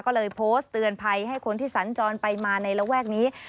ก็เลยโพสต์เตือนภัยให้คนที่สัญจรไปมาในระแวกนี้